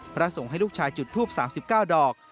พระส่งให้ลูกชายจุดทูป๓๙ดอก